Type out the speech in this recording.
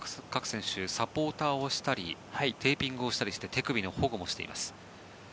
各選手サポーターをしたりテーピングをして手首を保護しています。